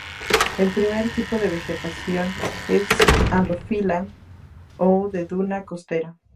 El primer tipo de vegetación es halófila o de duna costera.